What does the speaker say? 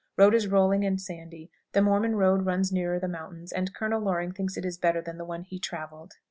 Road is rolling and sandy. The Mormon road runs nearer the mountains, and Colonel Loring thinks it is better than the one he traveled.